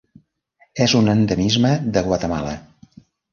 És un endemisme de Guatemala.